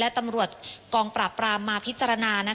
และตำรวจกองปราบปรามมาพิจารณา